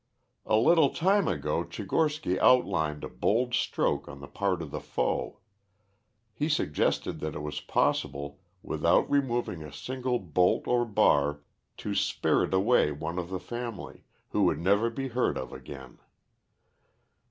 "A little time ago Tchigorsky outlined a bold stroke on the part of the foe. He suggested that it was possible, without removing a single bolt or bar, to spirit away one of the family, who would never be heard of again.